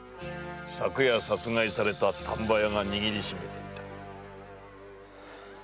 昨夜殺害された丹波屋が握りしめていた。